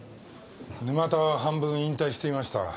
沼田は半分引退していました。